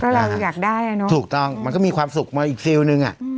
เราอยากได้อ่ะเนอะถูกต้องมันก็มีความสุขมาอีกฟิลล์นึงอ่ะ